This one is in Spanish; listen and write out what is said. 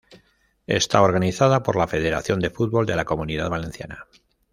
Está organizada por la Federación de Fútbol de la Comunidad Valenciana.